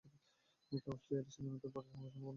কাগজটি আইরিশ স্বাধীনতার পরেই প্রকাশনা বন্ধ করে দিয়েছিল।